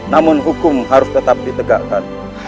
namun hukum harus tetap ditegakkan